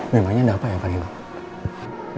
memangnya ada apa ya pak nenek